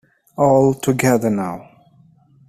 All together now.